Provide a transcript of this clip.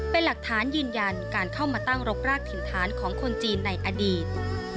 เป็นหลักฐานยืนยันการเข้ามาตั้งรกรากถิ่นฐานของคนจีนในอดีต